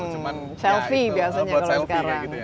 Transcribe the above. cuma selfie biasanya kalau sekarang